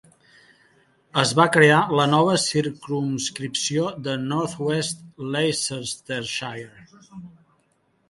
Es va crear la nova circumscripció de North West Leicestershire.